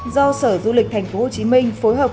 do sở du lịch tp hcm phối hợp